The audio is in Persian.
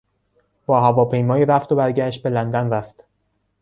با هواپیمای رفت و برگشت به لندن رفت.